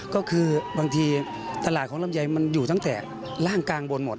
ก็คือบางทีตลาดของลำไยมันอยู่ตั้งแต่ล่างกลางบนหมด